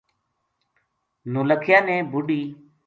نولکھیا نے بڈھی